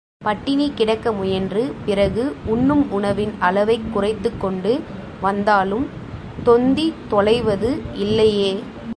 பட்டினி கிடக்க முயன்று, பிறகு உண்ணும் உணவின் அளவைக் குறைத்துக் கொண்டு வந்தாலும், தொந்தி தொலைவது இல்லையே?